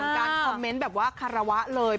คอมเมนต์แบบว่าฆะระวะเลย